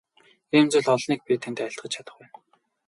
Ийм зүйл олныг би танд айлтгаж чадах байна.